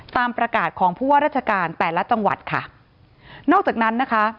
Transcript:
ตามประกาศของผู้ว่าราชการแต่ละจังหวัดค่ะนอกจากนั้นนะคะ